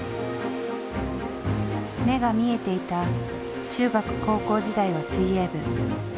目が見えていた中学高校時代は水泳部。